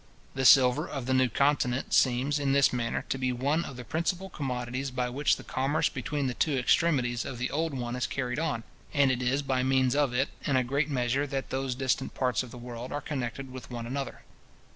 The silver of the new continent seems, in this manner, to be one of the principal commodities by which the commerce between the two extremities of the old one is carried on; and it is by means of it, in a great measure, that those distant parts of the world are connected with one another.